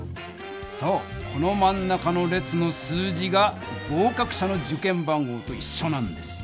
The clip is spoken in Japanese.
そうこのまん中の列の数字が合かく者の受験番号といっしょなんです。